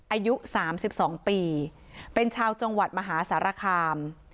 อายุสามสิบสองปีเป็นชาวจังหวัดมหาสารคาม